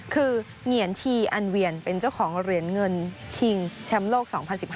คือเหงียนชีอันเวียนเป็นเจ้าของเหรียญเงินชิงแชมป์โลก๒๐๑๕